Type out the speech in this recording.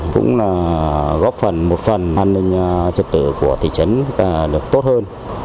cũng là góp phần một phần an ninh trật tự của thị trấn được tốt hơn